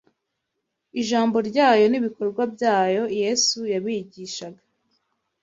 ijambo ryayo n’ibikorwa byayo, Yesu yabigishaga